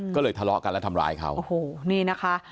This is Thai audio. ก็เลยทะเลาะกันแล้วทำร้ายเขาโอ้โหนี่นะคะ